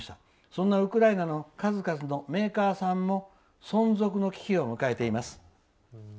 「そんなウクライナの数々のメーカーさんも存続の危機を迎えています。